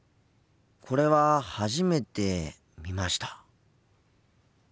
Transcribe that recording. これは初めて見ました。